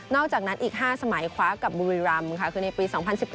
อกจากนั้นอีก๕สมัยคว้ากับบุรีรำค่ะคือในปี๒๐๑๘